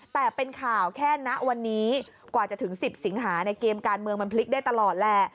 แต่เป็นข่าวแค่ณวันนี้กว่าจะถึง๑๐สิงหาในเกมการเมืองมันพลิกได้ตลอดแหละ